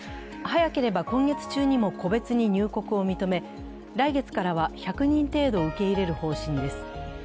早ければ今月中にも個別に入国を認め来月からは１００人程度受け入れる方針です。